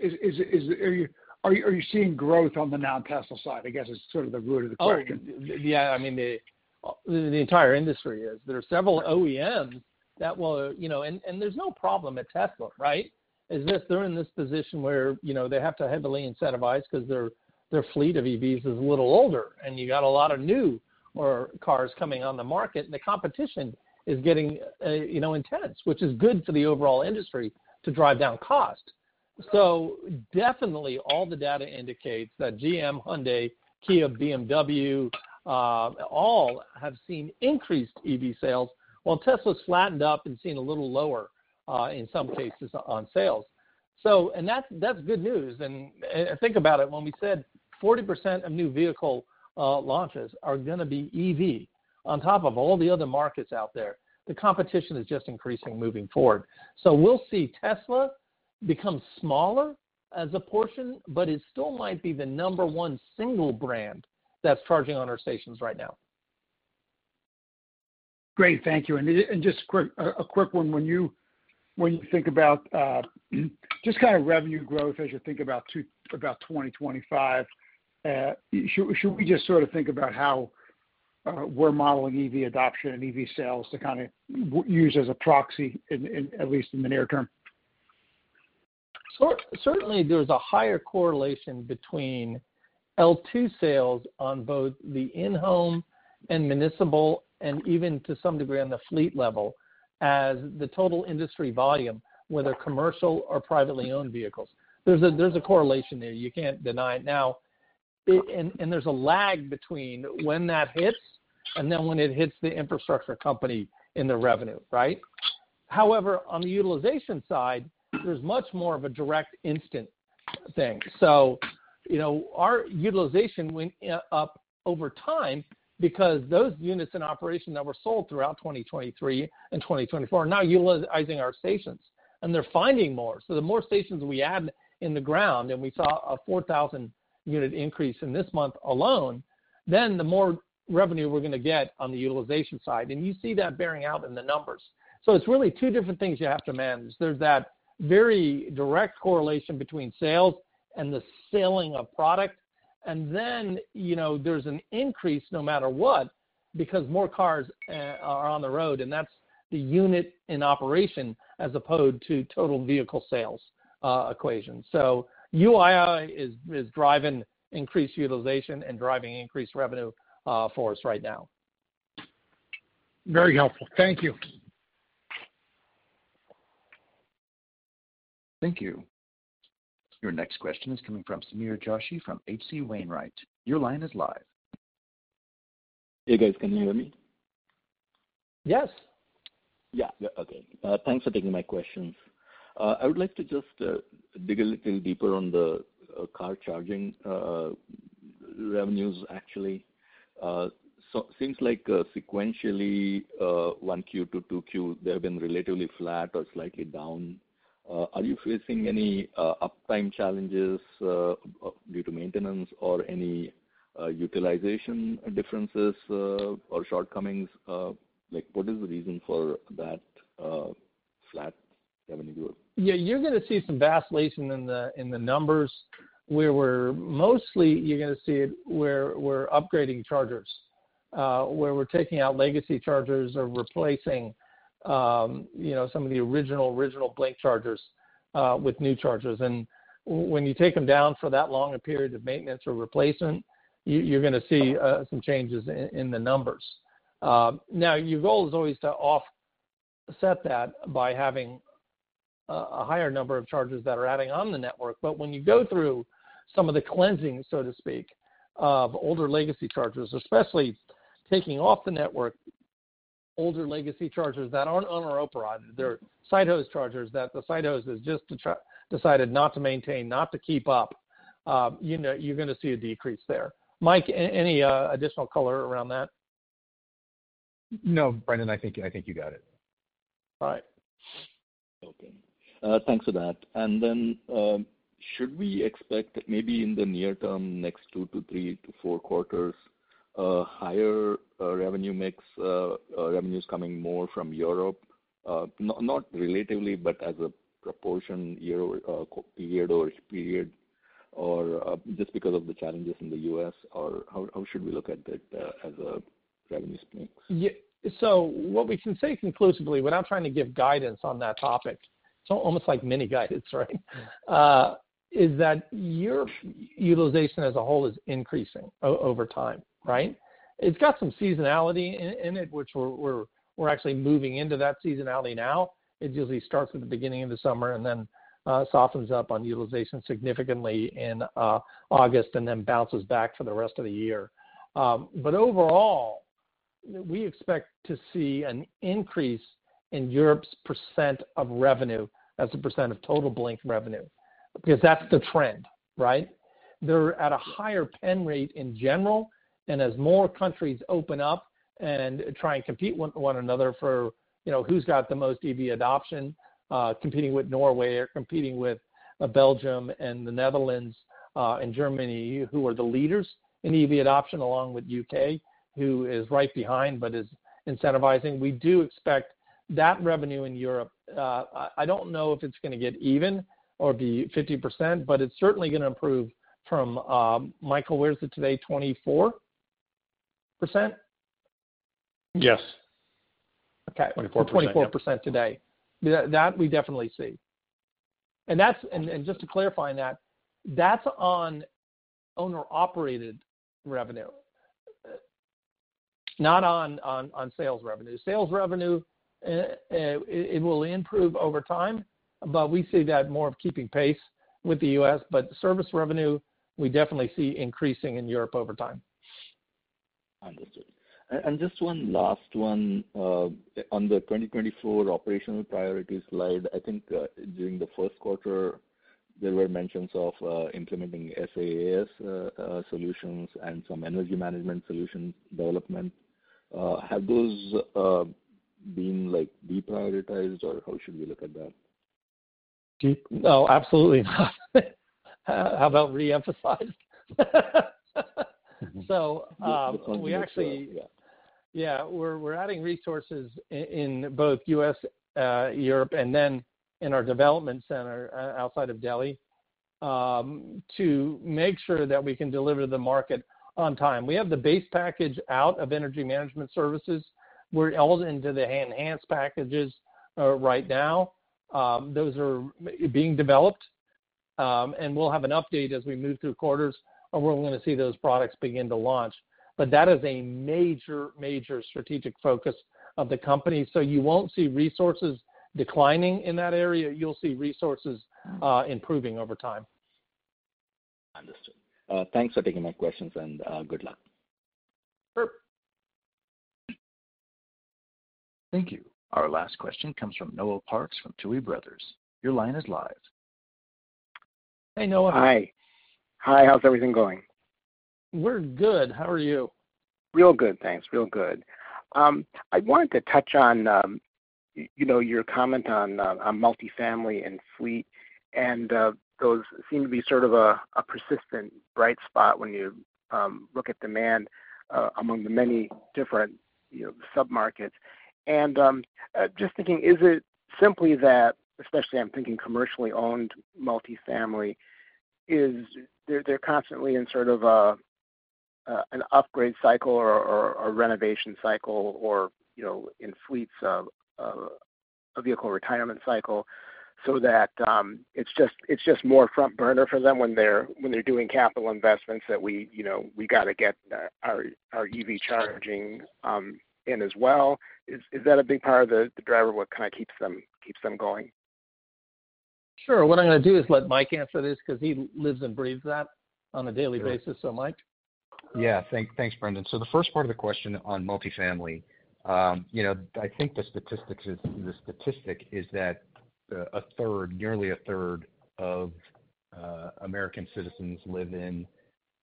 Speaker 8: Are you seeing growth on the non-Tesla side? I guess that's sort of the root of the question.
Speaker 3: Oh, yeah, I mean, the entire industry is. There are several OEMs that will. You know, and there's no problem at Tesla, right? It's just they're in this position where, you know, they have to heavily incentivize 'cause their, their fleet of EVs is a little older, and you got a lot of newer cars coming on the market, and the competition is getting, you know, intense, which is good for the overall industry to drive down cost. So definitely, all the data indicates that GM, Hyundai, Kia, BMW, all have seen increased EV sales, while Tesla's flattened up and seen a little lower, in some cases on sales. So. And that's good news. Think about it, when we said 40% of new vehicle launches are gonna be EV, on top of all the other markets out there, the competition is just increasing moving forward. We'll see Tesla become smaller as a portion, but it still might be the number one single brand that's charging on our stations right now.
Speaker 8: Great. Thank you. And just a quick one, when you think about just kind of revenue growth as you think about 2025, should we just sort of think about how we're modeling EV adoption and EV sales to kind of use as a proxy in at least the near term?
Speaker 3: Certainly, there's a higher correlation between L2 sales on both the in-home and municipal, and even to some degree, on the fleet level, as the total industry volume, whether commercial or privately owned vehicles. There's a correlation there, you can't deny it. Now, there's a lag between when that hits and then when it hits the infrastructure company in the revenue, right? However, on the utilization side, there's much more of a direct instant thing. So, you know, our utilization went up over time because those units in operation that were sold throughout 2023 and 2024 are now utilizing our stations, and they're finding more. So the more stations we add in the ground, and we saw a 4,000 unit increase in this month alone, then the more revenue we're gonna get on the utilization side. And you see that bearing out in the numbers. So it's really two different things you have to manage. There's that very direct correlation between sales and the selling of product. And then, you know, there's an increase no matter what, because more cars are on the road, and that's the unit in operation as opposed to total vehicle sales equation. So UIO is, is driving increased utilization and driving increased revenue for us right now.
Speaker 8: Very helpful. Thank you.
Speaker 1: Thank you. Your next question is coming from Sameer Joshi from H.C. Wainwright. Your line is live.
Speaker 9: Hey, guys, can you hear me?
Speaker 3: Yes.
Speaker 9: Yeah, yeah. Okay. Thanks for taking my questions. I would like to just dig a little deeper on the car charging revenues, actually. So seems like, sequentially, 1Q to 2Q, they have been relatively flat or slightly down. Are you facing any uptime challenges due to maintenance or any utilization differences or shortcomings? Like, what is the reason for that flat revenue growth?
Speaker 3: Yeah, you're gonna see some asset leasing in the numbers, where we're mostly, you're gonna see it, where we're upgrading chargers. Where we're taking out legacy chargers or replacing, you know, some of the original, original Blink Chargers, with new chargers. And when you take them down for that longer period of maintenance or replacement, you, you're gonna see, some changes in the numbers. Now, your goal is always to offset that by having, a higher number of chargers that are adding on the network. But when you go through some of the cleansing, so to speak, of older legacy chargers, especially taking off the network older legacy chargers that aren't owned or operated, they're site host's chargers, that the site host has just decided not to maintain, not to keep up, you know, you're gonna see a decrease there. Mike, any additional color around that?
Speaker 4: No, Brendan, I think, I think you got it.
Speaker 3: All right.
Speaker 9: Okay. Thanks for that. And then, should we expect maybe in the near term, next 2 to 3 to 4 quarters, a higher revenue mix, revenues coming more from Europe? Not relatively, but as a proportion year-over-year, or just because of the challenges in the U.S., or how should we look at that as a revenue mix?
Speaker 3: Yeah. So what we can say conclusively, without trying to give guidance on that topic, it's almost like mini guidance, right? Is that your utilization as a whole is increasing over time, right? It's got some seasonality in it, which we're actually moving into that seasonality now. It usually starts at the beginning of the summer, and then softens up on utilization significantly in August, and then bounces back for the rest of the year. But overall, we expect to see an increase in Europe's percent of revenue as a percent of total Blink revenue, because that's the trend, right? They're at a higher penetration rate in general, and as more countries open up and try and compete with one another for, you know, who's got the most EV adoption, competing with Norway or competing with Belgium and the Netherlands, and Germany, who are the leaders in EV adoption, along with U.K., who is right behind but is incentivizing, we do expect that revenue in Europe. I don't know if it's gonna get even or be 50%, but it's certainly gonna improve from, Michael, where is it today? 24%?
Speaker 4: Yes.
Speaker 3: Okay.
Speaker 4: 24, yep.
Speaker 3: 24% today. That, we definitely see. And that's, and just to clarify that, that's on owner-operated revenue, not on sales revenue. Sales revenue, it will improve over time, but we see that more of keeping pace with the US. But service revenue, we definitely see increasing in Europe over time.
Speaker 9: Understood. And just one last one. On the 2024 operational priority slide, I think during the first quarter there were mentions of implementing SaaS solutions and some energy management solution development. Have those been like deprioritized, or how should we look at that?
Speaker 3: No, absolutely not. How about reemphasized?
Speaker 9: Mm-hmm.
Speaker 3: So, we actually.
Speaker 9: Yeah.
Speaker 3: Yeah, we're, we're adding resources in both U.S., Europe and then in our development center outside of Delhi to make sure that we can deliver the market on time. We have the base package out of energy management services. We're into the enhanced packages right now. Those are being developed. And we'll have an update as we move through quarters, and we're gonna see those products begin to launch. But that is a major, major strategic focus of the company. So you won't see resources declining in that area. You'll see resources improving over time.
Speaker 9: Understood. Thanks for taking my questions and good luck.
Speaker 3: Sure.
Speaker 1: Thank you. Our last question comes from Noel Parks, from Tuohy Brothers. Your line is live.
Speaker 3: Hey, Noel.
Speaker 10: Hi. Hi, how's everything going?
Speaker 3: We're good. How are you?
Speaker 10: Real good, thanks. Real good. I wanted to touch on, you know, your comment on, on multifamily and fleet, and, those seem to be sort of a persistent bright spot when you, look at demand, among the many different, you know, submarkets. And, just thinking, is it simply that, especially I'm thinking commercially owned multifamily, is. They're constantly in sort of a, an upgrade cycle or, a renovation cycle or, you know, in fleets of, a vehicle retirement cycle, so that, it's just, it's just more front burner for them when they're doing capital investments that we, you know, we got to get, our EV charging, in as well. Is that a big part of the driver, what kind of keeps them going?
Speaker 3: Sure. What I'm gonna do is let Mike answer this, because he lives and breathes that on a daily basis.
Speaker 4: Sure.
Speaker 3: So, Mike?
Speaker 4: Yeah, thanks, Brendan. So the first part of the question on multifamily, you know, I think the statistic is that, nearly a third of American citizens live in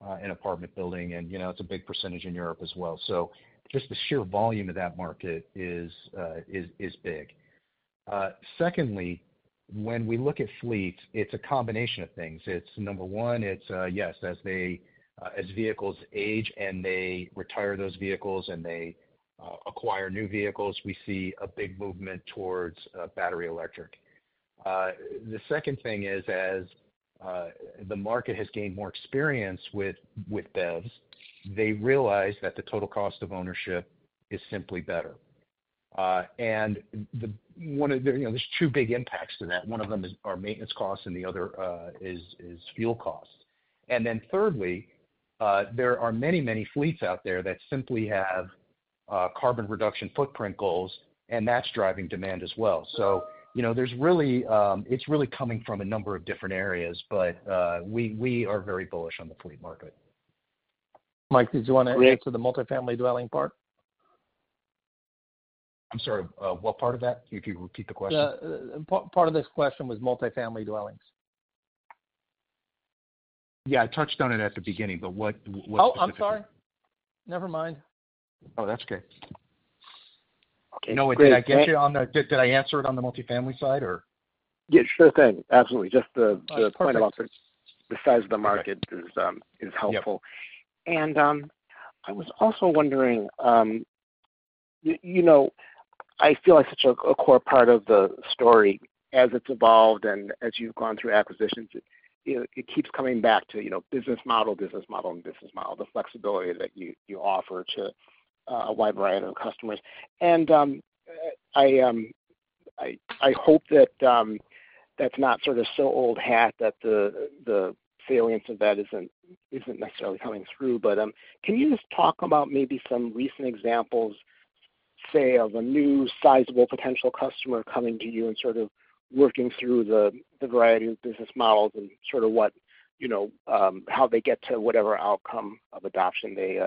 Speaker 4: an apartment building, and, you know, it's a big percentage in Europe as well. So just the sheer volume of that market is big. Secondly, when we look at fleet, it's a combination of things. It's number one, it's yes, as they as vehicles age and they retire those vehicles and they acquire new vehicles, we see a big movement towards battery electric. The second thing is, as the market has gained more experience with BEVs, they realize that the total cost of ownership is simply better. And one of the, you know, there's two big impacts to that. One of them is our maintenance costs, and the other is fuel costs. And then thirdly, there are many, many fleets out there that simply have carbon reduction footprint goals, and that's driving demand as well. So, you know, there's really, it's really coming from a number of different areas, but we are very bullish on the fleet market.
Speaker 3: Mike, did you want to answer the multifamily dwelling part?
Speaker 4: I'm sorry, what part of that? If you could repeat the question.
Speaker 3: Part of this question was multifamily dwellings.
Speaker 4: Yeah, I touched on it at the beginning, but what, what specifically?
Speaker 3: Oh, I'm sorry. Never mind.
Speaker 4: Oh, that's okay.
Speaker 10: Okay.
Speaker 4: Noel, did I answer it on the multifamily side, or?
Speaker 10: Yeah, sure thing. Absolutely. Just the, the.
Speaker 4: Oh, perfect
Speaker 10: Point about the size of the market is helpful.
Speaker 4: Yep.
Speaker 10: And, I was also wondering, you know, I feel like such a core part of the story as it's evolved and as you've gone through acquisitions, it, you know, it keeps coming back to, you know, business model, business model and business model, the flexibility that you, you offer to a wide variety of customers. And I, I hope that that's not sort of so old hat that the, the salience of that isn't, isn't necessarily coming through. But, can you just talk about maybe some recent examples, say, of a new sizable potential customer coming to you and sort of working through the, the variety of business models and sort of what, you know, how they get to whatever outcome of adoption they,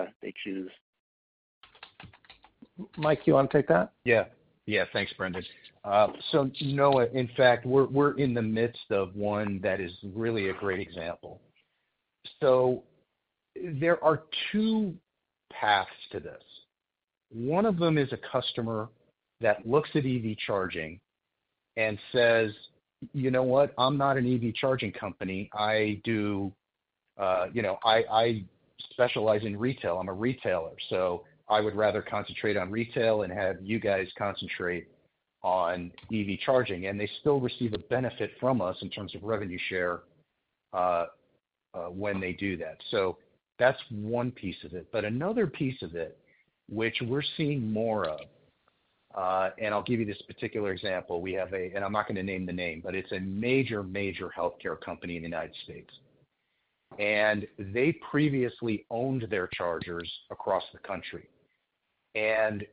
Speaker 10: they choose?
Speaker 3: Mike, you wanna take that?
Speaker 4: Yeah. Yeah, thanks, Brendan. So, you know, in fact, we're in the midst of one that is really a great example. So there are two paths to this. One of them is a customer that looks at EV charging and says, "You know what? I'm not an EV charging company. I do, you know, I specialize in retail. I'm a retailer, so I would rather concentrate on retail and have you guys concentrate on EV charging." And they still receive a benefit from us in terms of revenue share, when they do that. So that's one piece of it. But another piece of it, which we're seeing more of, and I'll give you this particular example. We have and I'm not gonna name the name, but it's a major, major healthcare company in the United States, and they previously owned their chargers across the country. They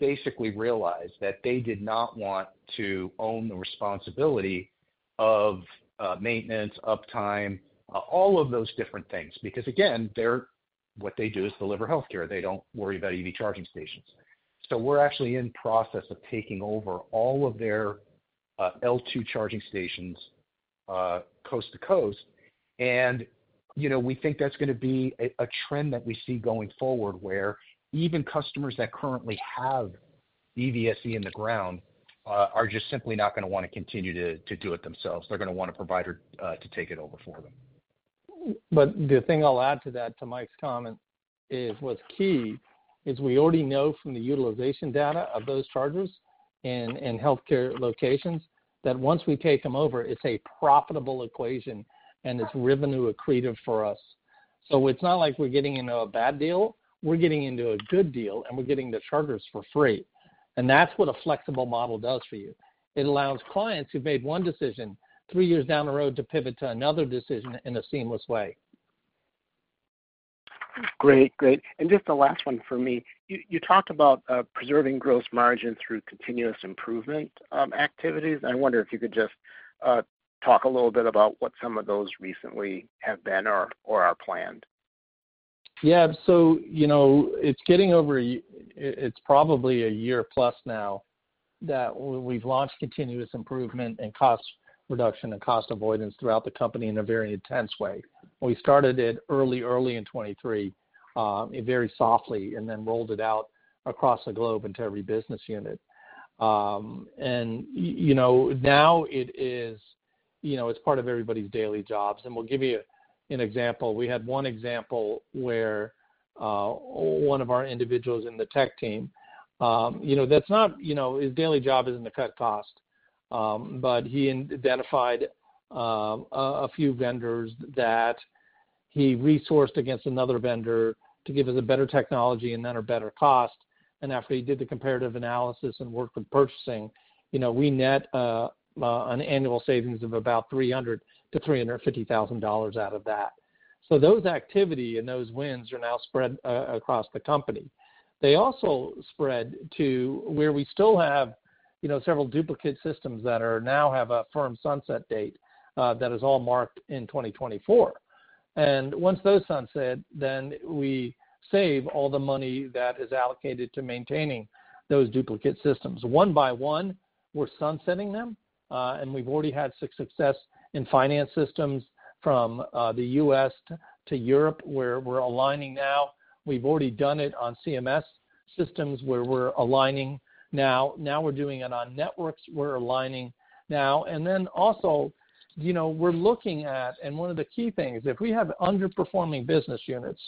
Speaker 4: basically realized that they did not want to own the responsibility of, maintenance, uptime, all of those different things, because, again, they're what they do is deliver healthcare. They don't worry about EV charging stations. We're actually in process of taking over all of their L2 charging stations, coast to coast, and, you know, we think that's gonna be a trend that we see going forward, where even customers that currently have EVSE in the ground are just simply not gonna wanna continue to do it themselves. They're gonna want a provider to take it over for them.
Speaker 3: But the thing I'll add to that, to Mike's comment, is what's key is we already know from the utilization data of those chargers and healthcare locations, that once we take them over, it's a profitable equation, and it's revenue accretive for us. So it's not like we're getting into a bad deal. We're getting into a good deal, and we're getting the chargers for free, and that's what a flexible model does for you. It allows clients who made one decision, three years down the road, to pivot to another decision in a seamless way.
Speaker 10: Great. Great. And just the last one for me. You, you talked about preserving gross margin through continuous improvement activities. I wonder if you could just talk a little bit about what some of those recently have been or, or are planned.
Speaker 3: Yeah. So, you know, it's getting over a year, it's probably a year plus now that we've launched continuous improvement and cost reduction and cost avoidance throughout the company in a very intense way. We started it early in 2023, very softly, and then rolled it out across the globe into every business unit. And you know, now it is, you know, it's part of everybody's daily jobs, and we'll give you an example. We had one example where one of our individuals in the tech team, you know, that's not, you know, his daily job isn't to cut cost, but he identified a few vendors that he resourced against another vendor to give us a better technology and then a better cost. And after he did the comparative analysis and worked with purchasing, you know, we net an annual savings of about $300,000-$350,000 out of that. So those activity and those wins are now spread across the company. They also spread to where we still have, you know, several duplicate systems that now have a firm sunset date that is all marked in 2024. And once those sunset, then we save all the money that is allocated to maintaining those duplicate systems. One by one, we're sunsetting them, and we've already had six success in finance systems from the U.S. to Europe, where we're aligning now. We've already done it on CMS systems, where we're aligning now. Now we're doing it on networks, we're aligning now. And then also, you know, we're looking at, and one of the key things, if we have underperforming business units,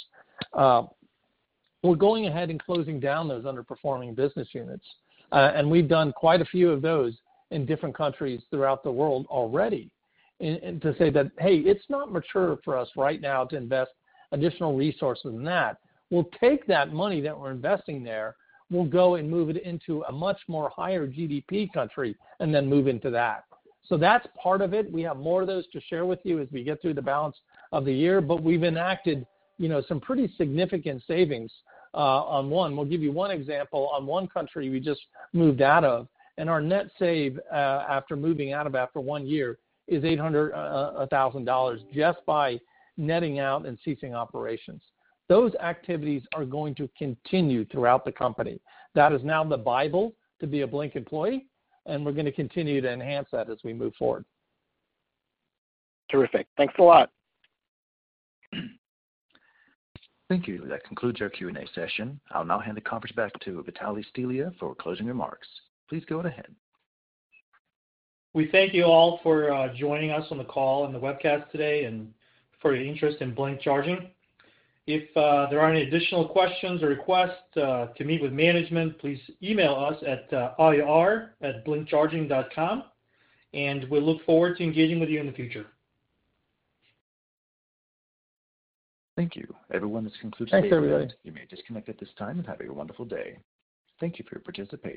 Speaker 3: we're going ahead and closing down those underperforming business units. And we've done quite a few of those in different countries throughout the world already. And, and to say that, "Hey, it's not mature for us right now to invest additional resources in that." We'll take that money that we're investing there, we'll go and move it into a much more higher GDP country and then move into that. So that's part of it. We have more of those to share with you as we get through the balance of the year, but we've enacted, you know, some pretty significant savings. On one, we'll give you one example. On one country we just moved out of, and our net save, after moving out of one year, is $800,000, just by netting out and ceasing operations. Those activities are going to continue throughout the company. That is now the Bible to be a Blink employee, and we're gonna continue to enhance that as we move forward.
Speaker 10: Terrific. Thanks a lot.
Speaker 1: Thank you. That concludes our Q&A session. I'll now hand the conference back to Vitalie Stelea for closing remarks. Please go ahead.
Speaker 2: We thank you all for joining us on the call and the webcast today, and for your interest in Blink Charging. If there are any additional questions or requests to meet with management, please email us at ir@blinkcharging.com, and we look forward to engaging with you in the future.
Speaker 1: Thank you, everyone. This concludes.
Speaker 10: Thanks, everybody.
Speaker 1: You may disconnect at this time, and have a wonderful day. Thank you for your participation.